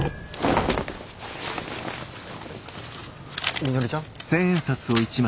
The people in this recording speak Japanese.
みのりちゃん！？